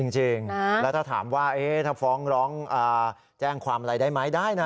จริงแล้วถ้าถามว่าถ้าฟ้องร้องแจ้งความอะไรได้ไหมได้นะ